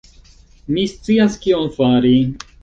Mi scias, kion fari.